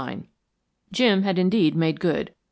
"Jim had indeed made good.